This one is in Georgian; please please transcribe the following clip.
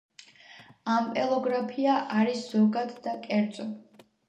ამპელოგრაფია არის ზოგად და კერძო.